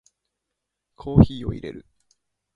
コーヒーを淹れる